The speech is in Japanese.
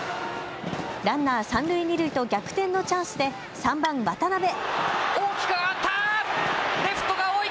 ランナー三塁二塁と逆転のチャンスで３番・渡邉。